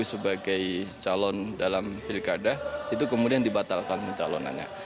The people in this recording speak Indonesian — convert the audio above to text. sebagai calon dalam pilkada itu kemudian dibatalkan pencalonannya